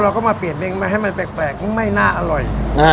เราก็มาเปลี่ยนเล้งมาให้มันแปลกไม่น่าอร่อย